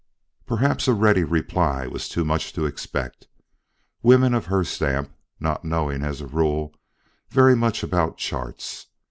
Perhaps a ready reply was too much to expect women of her stamp not knowing, as a rule, very much about charts.